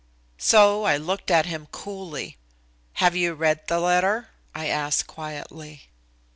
So I looked at him coolly. "Have you read the letter?" I asked quietly.